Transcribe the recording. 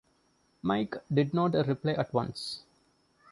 Mike did not reply at once.